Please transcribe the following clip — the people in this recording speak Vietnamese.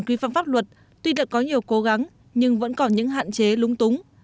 tuy pháp luật tuy đợt có nhiều cố gắng nhưng vẫn còn những hạn chế lúng túng